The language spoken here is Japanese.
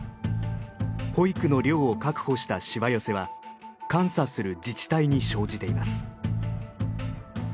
保育の量を確保したしわ寄せは監査する自治体に生じています。